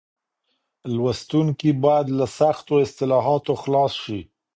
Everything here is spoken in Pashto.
لوستونکي بايد له سختو اصطلاحاتو خلاص شي.